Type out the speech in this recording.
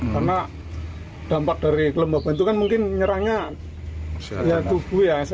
karena dampak dari lembah bantuan mungkin nyerahnya tubuh ya